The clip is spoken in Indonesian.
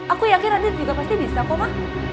aku yakin radit juga pasti bisa kok ma